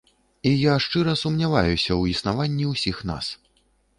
І я шчыра сумняваюся ў існаванні ўсіх нас.